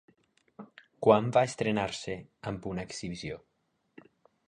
Quan va estrenar-se amb una exhibició?